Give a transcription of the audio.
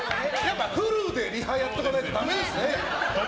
フルでリハやっとかないとダメですね。